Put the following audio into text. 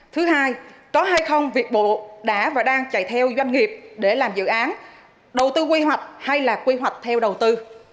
thứ hai có hay không việc bộ đã và đang chạy theo doanh nghiệp để làm dự án đầu tư quy hoạch hay là quy hoạch theo đầu tư